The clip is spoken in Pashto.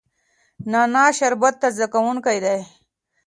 نعنا شربت تازه کوونکی دی.